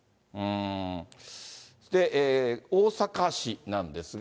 大阪市なんですが。